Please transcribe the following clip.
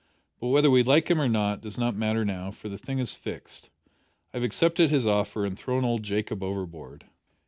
But whether we like him or not does not matter now, for the thing is fixed. I have accepted his offer, and thrown old Jacob overboard."